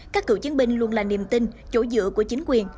các cựu chiến binh luôn là niềm tin chỗ dựa của chính quyền